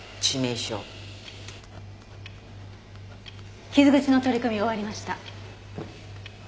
傷口の取り込み終わりました。